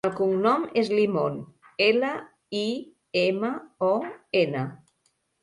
El cognom és Limon: ela, i, ema, o, ena.